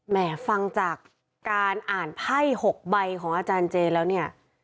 ฟังจากการอ่านไพ่๖ใบของอาจารย์เจแล้วเนี่ย